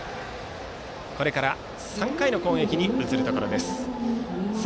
これから３回の攻撃に移るところです。